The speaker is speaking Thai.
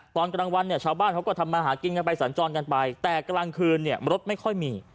ตอนกลางวันเนี่ยชาวบ้านเขาก็ทำมาหากินกันไปสัญจรกันไปแต่กลางคืนเนี่ยรถไม่ค่อยมี